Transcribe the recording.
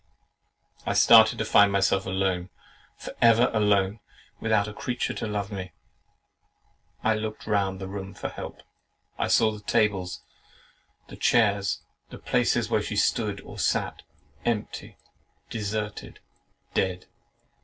I started to find myself alone—for ever alone, without a creature to love me. I looked round the room for help; I saw the tables, the chairs, the places where she stood or sat, empty, deserted, dead.